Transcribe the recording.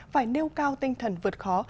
phải nêu cao tinh thần vượt khó